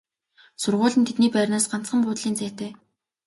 Сургууль нь тэдний байрнаас ганцхан буудлын зайтай.